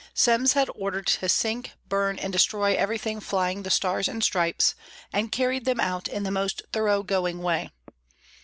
Semmes had orders to sink, burn, and destroy everything flying the Stars and Stripes, and carried them out in the most thorough going way.